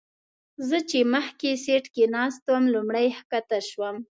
زه چې مخکې سیټ کې ناست وم لومړی ښکته شوم.